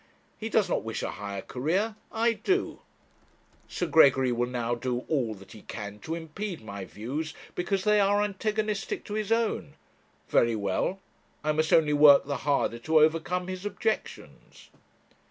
He does not wish a higher career; I do. Sir Gregory will now do all that he can to impede my views, because they are antagonistic to his own; very well; I must only work the harder to overcome his objections.'